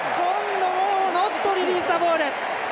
ノットリリースザボール。